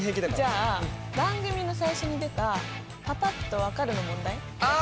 じゃあ番組の最初に出た「パパっと分かる」の問題やってみて。